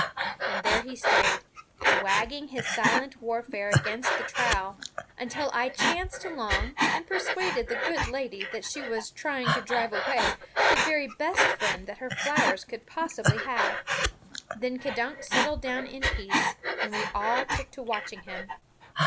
And there he stayed, waging his silent warfare against the trowel, until I chanced along and persuaded the good lady that she was trying to drive away the very best friend that her flowers could possibly have. Then K'dunk settled down in peace, and we all took to watching him.